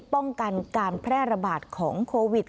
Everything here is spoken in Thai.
ป้องกันการแพร่ระบาดของโควิด